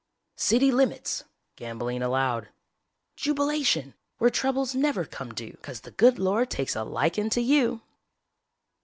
CITY LIMITS (Gambling allowed) JUBILATION! WHERE TROUBLES never come due, 'cause the Good Lord takes a likin' to YOU!